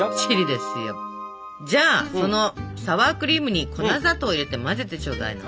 じゃあそのサワークリームに粉砂糖を入れて混ぜてちょうだいな。